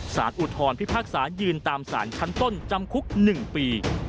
อุทธรพิพากษายืนตามสารชั้นต้นจำคุก๑ปี